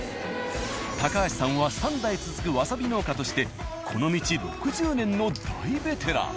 橋さんは３代続くわさび農家としてこの道６０年の大ベテラン。